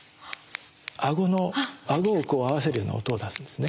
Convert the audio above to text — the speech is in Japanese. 顎を合わせるような音を出すんですね。